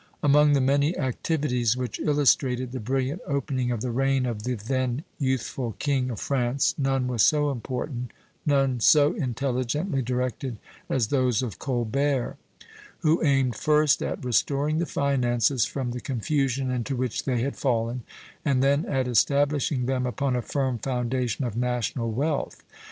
Among the many activities which illustrated the brilliant opening of the reign of the then youthful king of France, none was so important, none so intelligently directed, as those of Colbert, who aimed first at restoring the finances from the confusion into which they had fallen, and then at establishing them upon a firm foundation of national wealth.